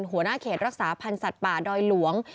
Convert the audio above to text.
หัวหน้าเขตรักษาพันธ์สัตว์ป่าดอยหลวง